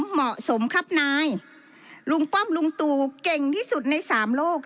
เหมาะสมครับนายลุงป้อมลุงตู่เก่งที่สุดในสามโลก